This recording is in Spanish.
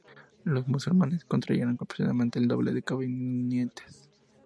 Los musulmanes contarían con aproximadamente el doble de combatientes.